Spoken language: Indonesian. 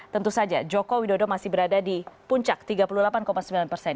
tentu saja joko widodo masih berada di puncak tiga puluh delapan sembilan persen